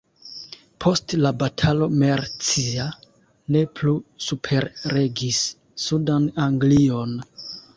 Post la batalo Mercia ne plu superregis sudan Anglion.